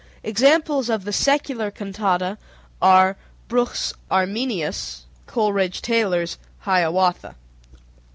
Examples of the secular cantata are: Bruch's "Armenius," Coleridge Taylor's "Hiawatha."